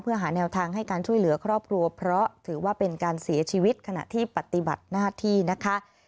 เพื่อหาแนวทางให้การช่วยเหลือครอบครัวเพราะถือว่าเป็นการเสียชีวิตขณะที่ปฏิบัติหน้าที่นะคะ